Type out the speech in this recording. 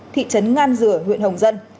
thị trấn ngan rửa huyện hồng dân